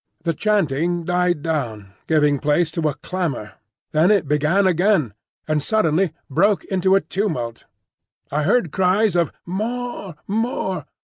The chanting died down, giving place to a clamour; then it began again, and suddenly broke into a tumult. I heard cries of, "More! more!"